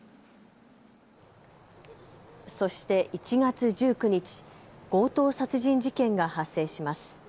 そして１月１９日、強盗殺人事件が発生します。